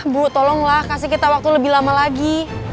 bu tolonglah kasih kita waktu lebih lama lagi